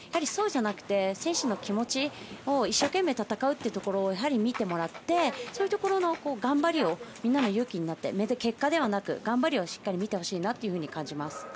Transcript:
そうじゃなくて選手の気持ち一生懸命戦うところをやはり見てもらってそういうところの頑張りがみんなの勇気になって結果ではなく頑張りを見てほしいと感じます。